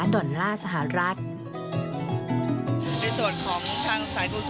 ในส่วนของทางสายกรุงสุดใหญ่เอง